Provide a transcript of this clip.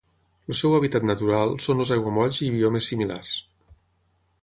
El seu hàbitat natural són els aiguamolls i biomes similars.